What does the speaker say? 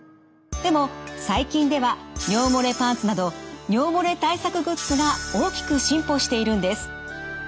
でも最近では尿漏れパンツなど尿漏れ対策グッズが大きく進歩しているんです。